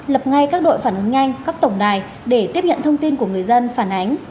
lập ngay các đội phản ứng nhanh các tổng đài để tiếp nhận thông tin của người dân phản ánh